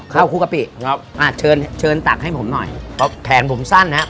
ข้าวคุ้กกะปิครับอ่ะเชิญเชิญตักให้ผมหน่อยเขาแขนผมสั้นนะฮะ